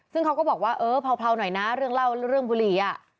ซึ่งเขาก็บอกว่าเออเผาหน่อยนะเรื่องเล่าเรื่องบุหรี่